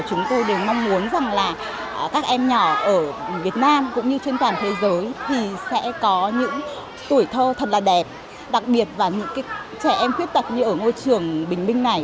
chúng tôi mong muốn các em nhỏ ở việt nam cũng như trên toàn thế giới sẽ có những tuổi thơ thật là đẹp đặc biệt là những trẻ em khuyết tật như ở ngôi trường bình minh này